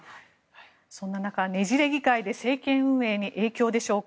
そんな中、ねじれ議会で政権運営に影響でしょうか。